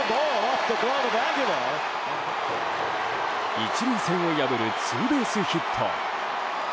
１塁線を破るツーベースヒット。